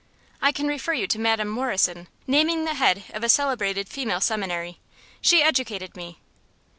"I can refer you to Madam Morrison," naming the head of a celebrated female seminary. "She educated me."